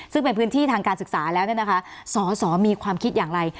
ซึ่งเป็นพื้นที่ทางการศึกษาแล้วเนี่ยนะคะสอสอมีความคิดอย่างไร